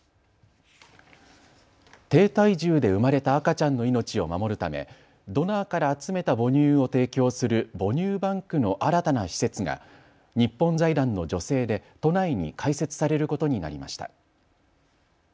低体重で生まれた赤ちゃんの命を守るためドナーから集めた母乳を提供する母乳バンクの新たな施設が日本財団の助成で都内に開設されることになりました。